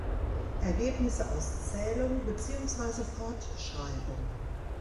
Ergebnisse aus Zählung beziehungsweise Fortschreibung